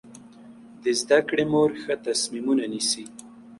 د زده کړې مور ښه تصمیمونه نیسي.